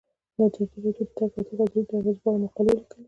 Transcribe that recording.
ازادي راډیو د د تګ راتګ ازادي د اغیزو په اړه مقالو لیکلي.